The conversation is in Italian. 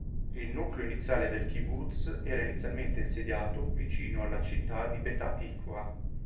Il nucleo iniziale del kibbutz era inizialmente insediato vicino alla città di Petah Tiqwa.